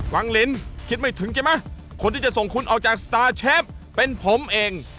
วังลินคิดไม่ถึงใช่ไหมคนที่จะส่งคุณออกจากสตาร์เชฟเป็นผมเอง